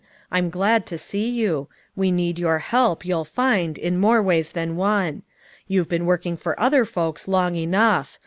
I'm glad to see you. We need your help, you'll find, in more ways than one. You've been work ing for other folks long enough.